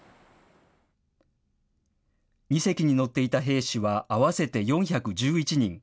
２隻に乗っていた兵士は合わせて４１１人。